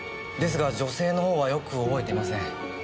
ですが女性の方はよく覚えていません。